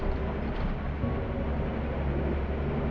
setelah luar halo slide